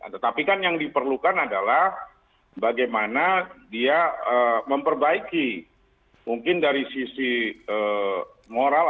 tetapi kan yang diperlukan adalah bagaimana dia memperbaiki mungkin dari sisi moral